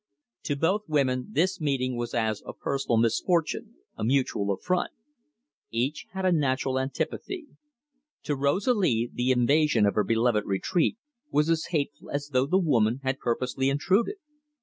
To both women this meeting was as a personal misfortune, a mutual affront. Each had a natural antipathy. To Rosalie the invasion of her beloved retreat was as hateful as though the woman had purposely intruded.